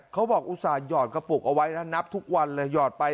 อุตส่าหยอดกระปุกเอาไว้นะนับทุกวันเลยหยอดไป